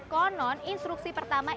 konon instruksi pertama